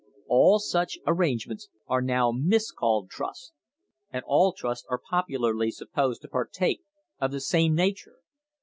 All such arrangements are now miscalled trusts, and all trusts are popularly supposed to partake of the same nature.